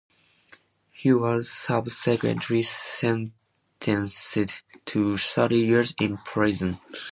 He was subsequently sentenced to thirty years in prison.